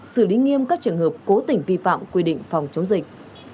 xử lý nghiêm các trường hợp cố tình vi phạm quy định phòng chống dịch